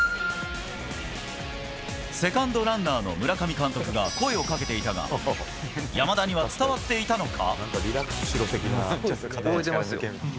セカンドランナーの村上監督が声をかけていたが山田には伝わっていたのか。